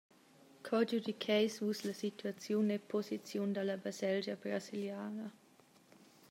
Co giudicheis Vus la situaziun e posiziun dalla Baselgia brasiliana?